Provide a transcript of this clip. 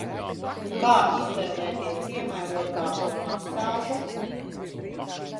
Kā izvēlēties piemērotāko masāžu?